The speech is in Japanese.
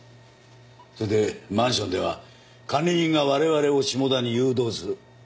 それでマンションでは管理人が我々を下田に誘導する。